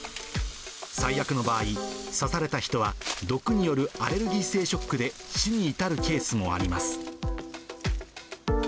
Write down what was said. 最悪の場合、刺された人は、毒によるアレルギー性ショックで、死に至るケースもあります。